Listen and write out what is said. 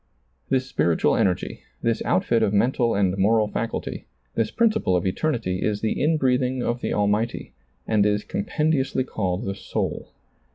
This spiritual energy, this outfit of mental and moral faculty, this principle of eternity is the in breathing of the Almighty, and is compendiously called the soul.